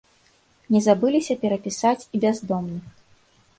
Не забыліся перапісаць і бяздомных.